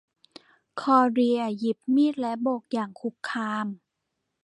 คลอเดียหยิบมีดและโบกอย่างคุกคาม